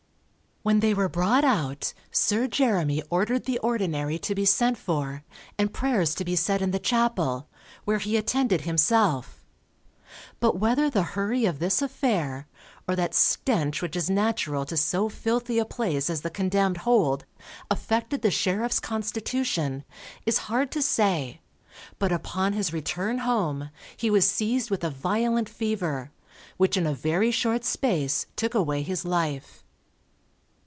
_ When they were brought out, Sir Jeremy ordered the Ordinary to be sent for, and prayers to be said in the chapel, where he attended himself. But whether the hurry of this affair, or that stench which is natural to so filthy a place as the condemned hold, affected the sheriff's constitution, is hard to say, but upon his return home, he was seized with a violent fever, which in a very short space took away his life.